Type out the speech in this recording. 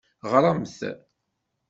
Ɣremt!